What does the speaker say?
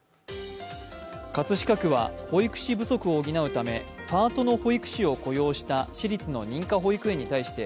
葛飾区は保育士不足を補うためパートの保育士を雇用した私立の認可保育園に対して、